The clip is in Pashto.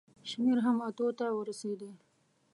شمېر هم اتو ته ورسېدی.